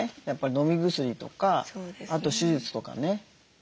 やっぱり飲み薬とかあと手術とかね。